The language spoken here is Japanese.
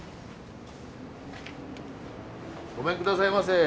ごめん下さいませ。